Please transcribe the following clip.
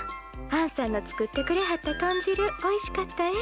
あんさんの作ってくれはった豚汁おいしかったえ。